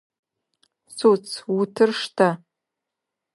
Цуц, утыр штэ!